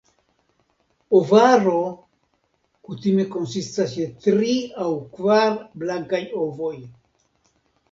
Ovaro kutime konsistas je tri aŭ kvar blankaj ovoj.